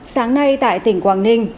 sáng nay tại tỉnh quảng ninh